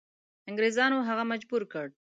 انګریزانو هغه مجبور کړ.